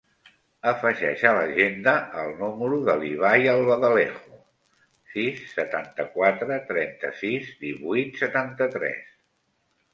Afegeix a l'agenda el número de l'Ibai Albaladejo: sis, setanta-quatre, trenta-sis, divuit, setanta-tres.